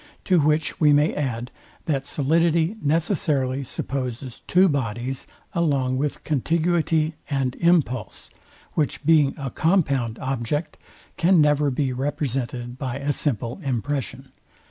To which we may add, that solidity necessarily supposes two bodies, along with contiguity and impulse; which being a compound object, can never be represented by a simple impression.